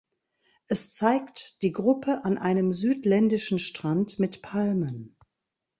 Es zeigt die Gruppe an einem südländischen Strand mit Palmen.